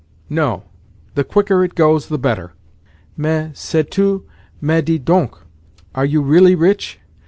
"No. The quicker it goes the better." "Mais—sais tu—mais dis donc, are you really rich?